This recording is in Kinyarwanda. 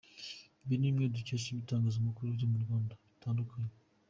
Ibi ni bimwe dukesha ibitangazamakuru byo mu Rwanda bitandukanye.